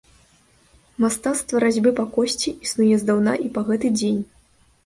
Мастацтва разьбы па косці існуе здаўна і па гэты дзень.